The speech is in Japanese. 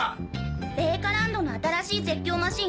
米花ランドの新しい絶叫マシーン